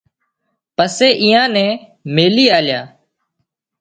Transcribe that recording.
پسي ايئان نين ميلِي آليا